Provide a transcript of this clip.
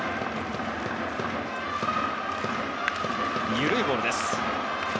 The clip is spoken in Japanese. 緩いボールです。